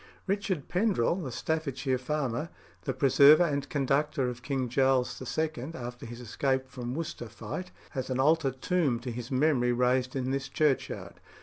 Richard Pendrell, the Staffordshire farmer, "the preserver and conductor of King Charles II. after his escape from Worcester Fight," has an altar tomb to his memory raised in this churchyard.